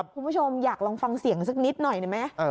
คุณผู้ชมอยากลองฟังเสียงสักนิดหน่อยได้ไหม